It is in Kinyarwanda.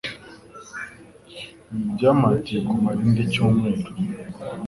Ibi byampatiye kumara ikindi cyumweru.